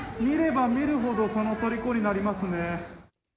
見れば見るほど、そのとりこになりますね。